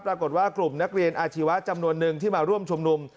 ปรากฏว่ากลุ่มนักเรียนอาชีวะจำนวนนึงที่มาร่วมชุมนุม